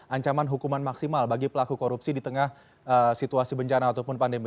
ancaman hukuman maksimal bagi pelaku korupsi di tengah situasi bencana ataupun pandemi